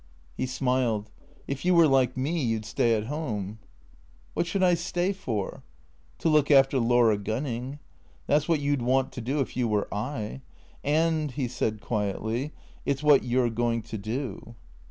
He smiled. " If you were like me, you 'd stay at home.'" "What should I stay for?" " To look after Laura Gunning. That 's what you 'd want tc do, if you were — I. And," he said quietly, " it 's what you 'rf going to do."